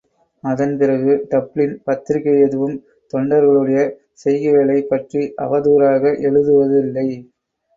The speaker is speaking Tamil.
அதன்பிறகு டப்ளின் பத்திரிகை எதுவும் தொண்டர்களுடைய செய்கைகளைப் பற்றி அவதூறாக எழுதுவதில்லை.